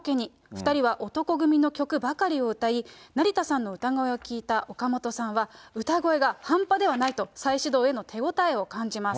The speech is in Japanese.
２人は男闘呼組の曲ばかりを歌い、成田さんの歌声を聴いた岡本さんは、歌声が半端ではないと再始動への手応えを感じます。